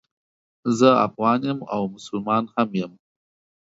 زه افغان یم او مسلمان هم یم